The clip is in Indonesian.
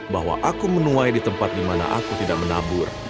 bahwa aku menuai di tempat di mana aku tidak menabur